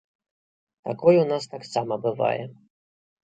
Такое ў нас таксама бывае.